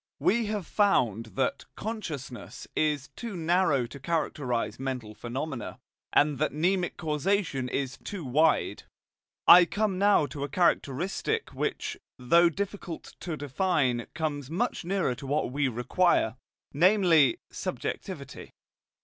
We have found that "consciousness" is too narrow to characterize mental phenomena, and that mnemic causation is too wide. I come now to a characteristic which, though difficult to define, comes much nearer to what we require, namely subjectivity.